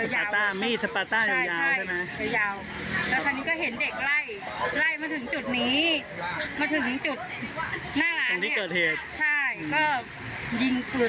ใช่ก็ยิงปืนมาเลย